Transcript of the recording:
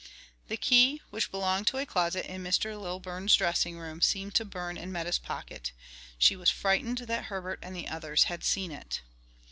The key, which belonged to a closet in Mr. Lilburn's dressing room, seemed to burn in Meta's pocket. She was frightened that Herbert and the others had seen it.